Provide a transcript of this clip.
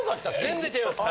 全然違います。